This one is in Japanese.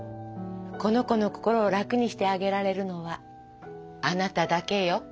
この子の心を楽にしてあげられるのはあなただけよ。